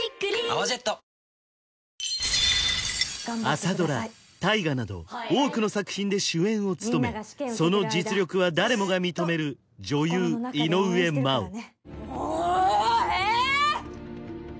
朝ドラ大河など多くの作品で主演を務めその実力は誰もが認める女優井上真央もうええ！